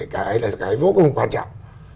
cái là cái vô cùng quan trọng